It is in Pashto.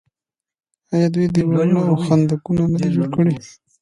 آیا دوی دیوالونه او خندقونه نه دي جوړ کړي؟